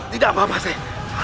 tidak apa apa sayyid